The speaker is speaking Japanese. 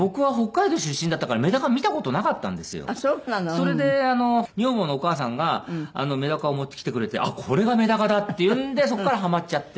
それで女房のお母さんがメダカを持ってきてくれてあっこれがメダカだっていうんでそこからはまっちゃって。